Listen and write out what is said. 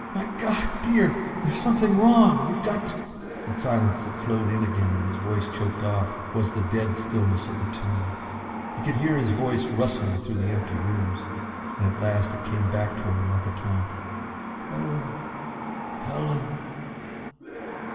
My God, dear, there's something wrong! You've got to " The silence that flowed in again when his voice choked off was the dead stillness of the tomb. He could hear his voice rustling through the empty rooms, and at last it came back to him like a taunt: "_Helen! Helen!